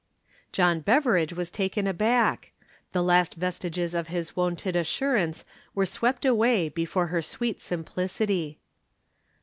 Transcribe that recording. John Beveridge was taken aback. The last vestiges of his wonted assurance were swept away before her sweet simplicity.